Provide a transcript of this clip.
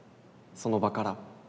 その場から。